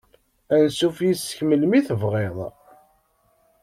Ansuf yess-k melmi tebɣiḍ.